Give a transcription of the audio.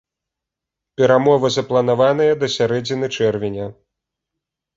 Перамовы запланаваныя да сярэдзіны чэрвеня.